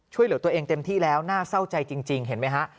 ช่วยเหลือตัวเองเต็มที่แล้วน่าเศร้าใจจริงเห็นไหมฮะ